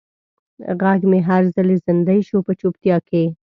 غږ مې هر ځلې زندۍ شو په چوپتیا کې